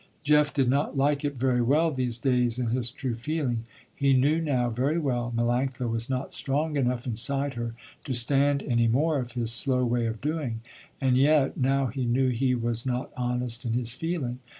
Jeff did not like it very well these days, in his true feeling. He knew now very well Melanctha was not strong enough inside her to stand any more of his slow way of doing. And yet now he knew he was not honest in his feeling.